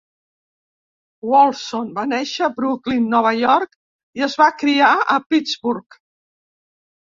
Wolfson va néixer a Brooklyn, Nova York, i es va criar a Pittsburgh.